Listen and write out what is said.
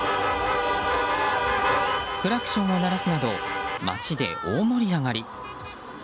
クラクションを鳴らすなど街で大盛り上がり。